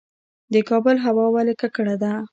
د کابل هوا ولې ککړه ده؟